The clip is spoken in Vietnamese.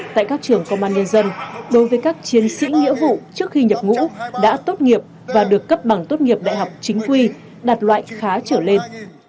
tại các trường công an nhân dân đối với các chiến sĩ nghĩa vụ trước khi nhập ngũ đã tốt nghiệp và được cấp bằng tốt nghiệp đại học chính quy đạt loại khá trở lên